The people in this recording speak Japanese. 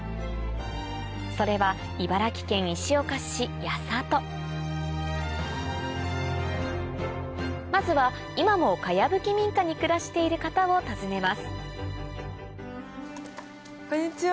それはまずは今も茅ぶき民家に暮らしている方を訪ねますこんにちは！